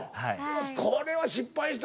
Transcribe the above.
これは失敗した。